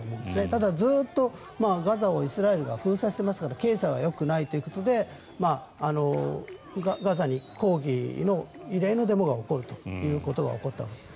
ただ、ずっとガザをイスラエルが封鎖していますから経済はよくないということでガザで抗議の異例のデモが起こるということがあったわけです。